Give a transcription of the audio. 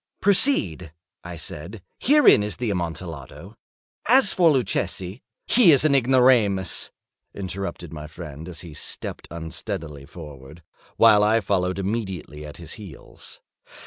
"Proceed," I said; "herein is the Amontillado. As for Luchesi—" "He is an ignoramus," interrupted my friend, as he stepped unsteadily forward, while I followed immediately at his heels.